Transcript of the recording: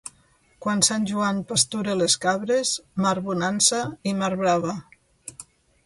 Quan Sant Joan pastura les cabres, mar bonança i mar brava.